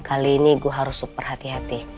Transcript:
kali ini gue harus super hati hati